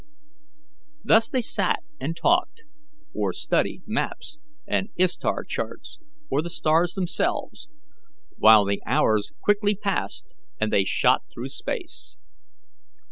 Thus they sat and talked, or studied maps and star charts, or the stars themselves, while the hours quickly passed and they shot through space.